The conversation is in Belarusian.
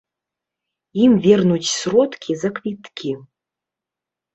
Ім вернуць сродкі за квіткі.